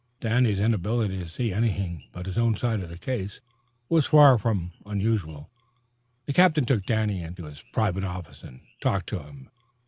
Danny's inability to see anything but his own side of the case was far from unusual. The captain took Danny into his private office and talked to him.